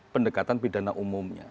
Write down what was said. pendekatan pidana umumnya